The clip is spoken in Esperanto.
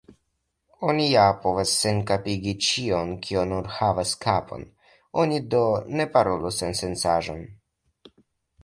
Oni ja povas senkapigi ĉion, kio nur havas kapon; oni do ne parolu sensencaĵon.